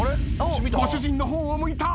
ご主人の方を向いた。